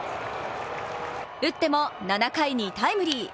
打っても７回にタイムリー。